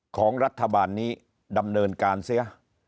ของรัฐบาลนี้ดำเนินการเสีย